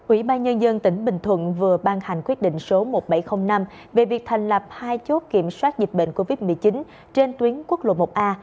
ủy ban nhân dân tỉnh bình thuận vừa ban hành quyết định số một nghìn bảy trăm linh năm về việc thành lập hai chốt kiểm soát dịch bệnh covid một mươi chín trên tuyến quốc lộ một a